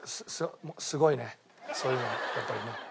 すごいねそういうのやっぱりね。